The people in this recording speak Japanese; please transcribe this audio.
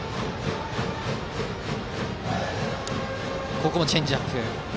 ここもチェンジアップ。